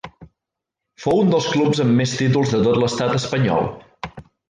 Fou un dels clubs amb més títols de tot l'Estat Espanyol.